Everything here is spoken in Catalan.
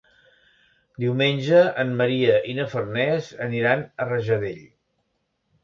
Diumenge en Maria i na Farners aniran a Rajadell.